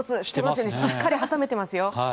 しっかり挟めてますよ。